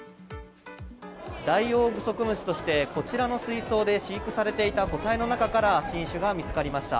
ダイオウグソクムシとしてこちらの水槽で飼育されていた個体の中から新種が見つかりました。